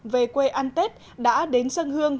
về quê ăn tết đã đến dân hương